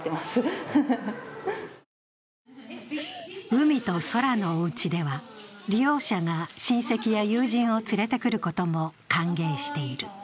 うみとそらのおうちでは利用者が親戚や友人を連れてくることも歓迎している。